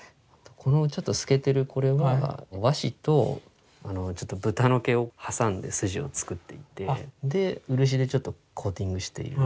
このちょっと透けてるこれは和紙と豚の毛を挟んで筋を作っていてで漆でちょっとコーティングしている。